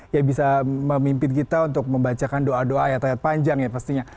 yang bisa memimpin kita untuk membacakan doa doa ayat ayat panjang ya pastinya